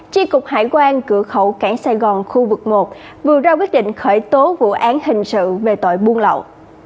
tri cục hải quan cửa khẩu cảng sài gòn khu vực một vừa ra quyết định khởi tố vụ án hình sự về tội buôn lậu